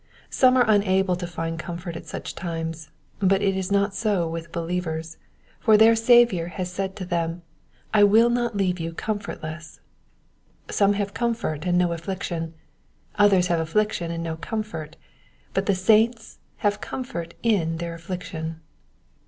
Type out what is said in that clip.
Some are unable to find comfort at such times ; but it is not so with believers, for their Saviour has said to them, " I will not leave you comfortless." Some have comfort and no affliction, others have affliction and no comfort ; but the saints have comfort in their affliction.